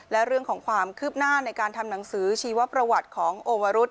และเรื่องของความคืบหน้าในการทำหนังสือชีวประวัติของโอวรุษ